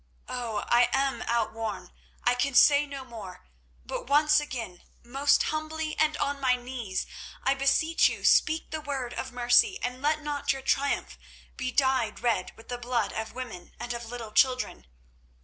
Oh! I am outworn! I can say no more; but once again, most humbly and on my knees, I beseech you speak the word of mercy, and let not your triumph be dyed red with the blood of women and of little children."